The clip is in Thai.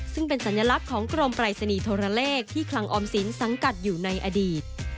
ซึ่งเป็นสัญลักษณ์ของกรมปรายศนีย์โทรเลขที่คลังออมสินสังกัดอยู่ในอดีต